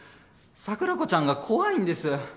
桜子ちゃんが怖いんです。